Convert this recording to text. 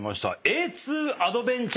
Ａ２アドベンチャーさんです。